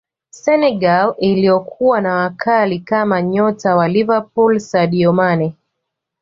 senegal iliyokuwa na wakali kama nyota wa liverpool sadio mane